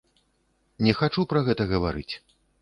Не хачу пра гэта гаварыць.